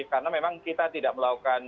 karena memang kita tidak melakukan